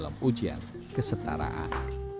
dan dia mencoba mengatasi kesetaraan